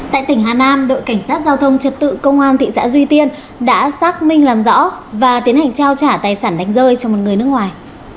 tại tỉnh hà nam đội cảnh sát giao thông trật tự công an thị xã duy tiên đã xác minh làm rõ và tiến hành trao trả tài sản đánh rơi cho một người nước ngoài